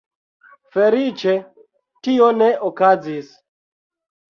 Feliĉe tio ne okazis.